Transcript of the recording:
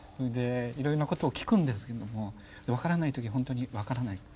いろいろなことを聞くんですけども分からない時ほんとに分からないと。